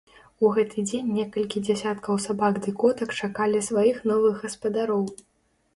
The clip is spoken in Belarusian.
У гэты дзень некалькі дзясяткаў сабак ды котак чакалі сваіх новых гаспадароў.